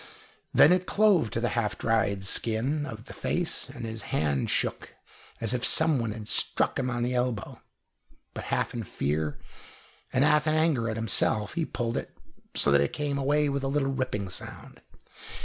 Then it clove to the half dried skin of the face, and his hand shook as if some one had struck him on the elbow, but half in fear and half in anger at himself, he pulled it, so that it came away with a little ripping sound.